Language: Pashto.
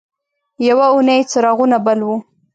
یوه اونۍ یې څراغونه بل وو.